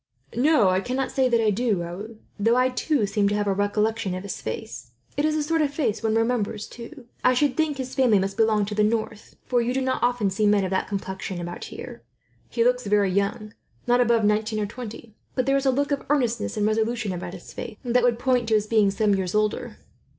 "No, I cannot say that I do, Raoul; though I, too, seem to have a recollection of his face. It is a sort of face one remembers, too. I should think his family must belong to the north, for you do not often see men of that complexion about here. He looks very young, not above nineteen or twenty; but there is a look of earnestness and resolution, about his face, that would point to his being some years older."